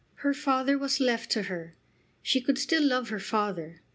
Her father was left to her. She could still love her father.